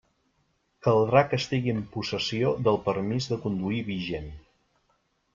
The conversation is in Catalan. Caldrà que estigui en possessió del permís de conduir vigent.